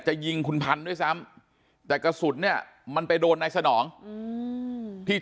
ยิงคุณพันธุ์ด้วยซ้ำแต่กระสุนเนี่ยมันไปโดนนายสนองที่